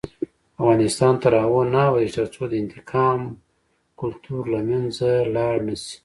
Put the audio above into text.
افغانستان تر هغو نه ابادیږي، ترڅو د انتقام کلتور له منځه لاړ نشي.